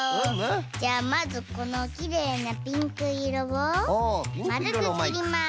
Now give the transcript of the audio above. じゃあまずこのきれいなピンクいろをまるくきります。